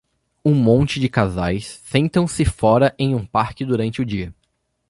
Um monte de casais sentam-se fora em um parque durante o dia.